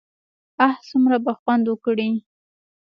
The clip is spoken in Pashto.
اه څومره به خوند وکړي.